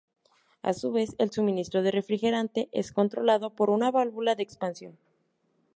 A su vez, el suministro de refrigerante es controlado por una válvula de expansión.